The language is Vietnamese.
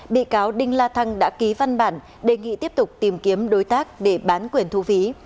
bị cáo đinh la thăng đã ký văn bản đề nghị tiếp tục tìm kiếm đối tác để bán quyền thu phí